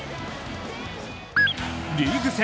リーグ戦